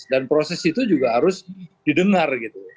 dan proses itu juga harus didengar gitu